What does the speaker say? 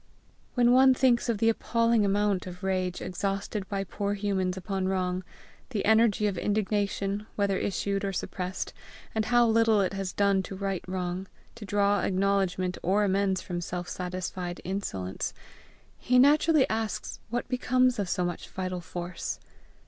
When one thinks of the appalling amount of rage exhausted by poor humans upon wrong, the energy of indignation, whether issued or suppressed, and how little it has done to right wrong, to draw acknowledgment or amends from self satisfied insolence, he naturally asks what becomes of so much vital force.